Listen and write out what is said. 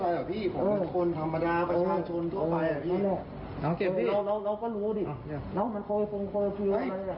น้องก็รู้ดิน้องมันโคลโลคิวอะไรอย่างนั้น